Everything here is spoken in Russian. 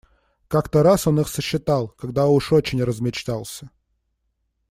Как-то раз он их сосчитал, когда уж очень размечтался.